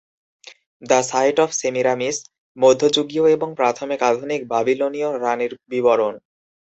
The site of Semiramis: মধ্যযুগীয় এবং প্রাথমিক আধুনিক বাবিলনীয় রাণীর বিবরণ।